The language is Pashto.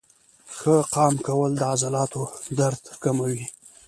ښه قام کول د عضلاتو درد کموي.